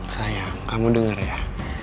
sayang kamu denger ya